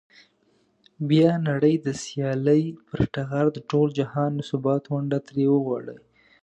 بیا نړۍ د سیالۍ پر ټغر د ټول جهان د ثبات ونډه ترې وغواړي.